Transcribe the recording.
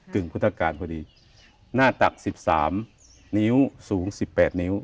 กึ่งพุทธกาลพอดีหน้าตักสิบสามนิ้วสูงสิบแปดนิ้ว